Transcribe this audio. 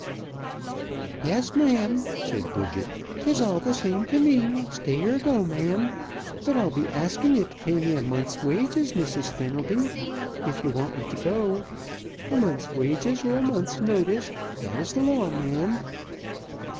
"Yes, ma'am," said Bridget. "'Tis all th' same t' me stay or go, ma'am, but I'll be askin' ye t' pay me a month's wages, Mrs. Fenelby, if ye want me t' go. A month's wages or a month's notice that is th' law, ma'am."